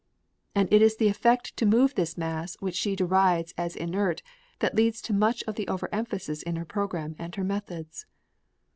And it is the effort to move this mass which she derides as inert that leads to much of the overemphasis in her program and her methods.